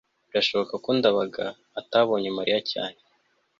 birashoboka ko ndabaga atabonye mariya cyane